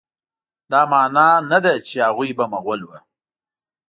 دا معنی نه ده چې هغوی به مغول وه.